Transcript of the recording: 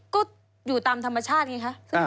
ก็อยู่ตามธรรมชาติไงคะ